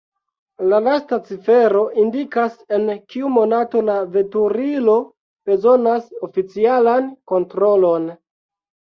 La lasta cifero indikas, en kiu monato la veturilo bezonas oficialan kontrolon.